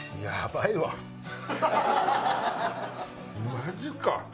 マジか！